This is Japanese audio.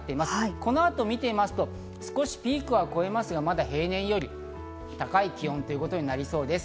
この後見てみますと、少しピークは超えますがまだ平年より高い気温ということになりそうです。